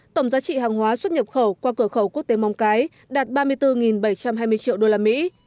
tổng giá trị hàng hóa xuất nhập khẩu qua cửa khẩu quốc tế mong cái đạt ba mươi bốn bảy trăm hai mươi triệu đô la mỹ